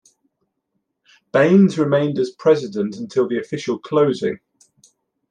Baines remained as president until the official closing.